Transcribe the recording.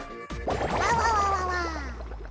あわわわわわ。